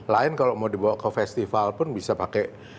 lain kalau mau dibawa ke festival pun bisa pakai